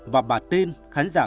và bà tin khán giả